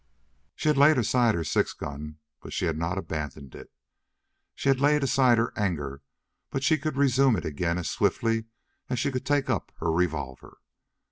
She had laid aside her six gun, but she had not abandoned it. She had laid aside her anger, but she could resume it again as swiftly as she could take up her revolver.